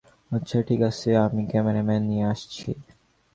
আচ্ছা ঠিক আছে -আমি ক্যামেরাম্যান নিয়ে আসছি।